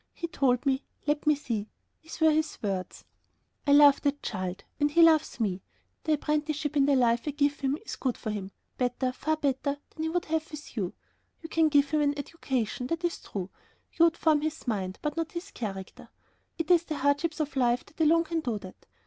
He told me, let me see, these were his words: "'I love that child, and he loves me. The apprenticeship in the life that I give him is good for him, better, far better, than he would have with you. You would give him an education, that is true; you would form his mind, but not his character. It is the hardships of life that alone can do that.